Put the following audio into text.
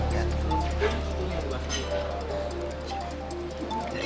gak ada apa apa